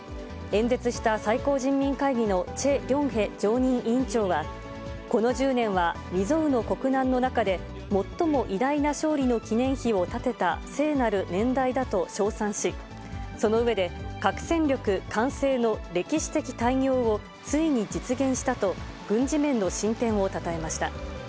演説した最高人民会議のチェ・リョンヘ常任委員長は、この１０年は、未曽有の国難の中で、最も偉大な勝利の記念碑を建てた聖なる年代だと称賛し、その上で、核戦力完成の歴史的大業をついに実現したと、軍事面の進展をたたえました。